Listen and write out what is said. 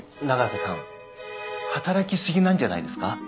永瀬さん働きすぎなんじゃないですか？